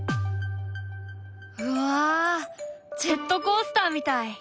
うわジェットコースターみたい！